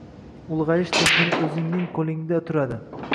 ulg’ayish tizgini o’zingning qo’lingda turadi.